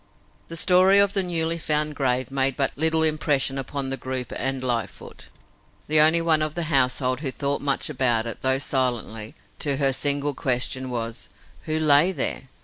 The story of the newly found grave made but little impression upon the group and Lightfoot, the only one of the household who thought much about it, thought silently. To her the single question was: "Who lay there?"